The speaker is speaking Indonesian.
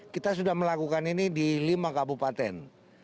kita sudah melakukan ini di lima kabupaten